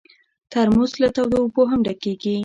ترموز له تودو اوبو هم ډکېږي.